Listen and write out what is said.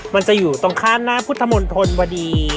มันจะอยู่ตรงข้ามหน้าพุทธมนตรวดี